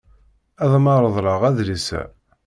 Ad am-reḍleɣ adlis-a.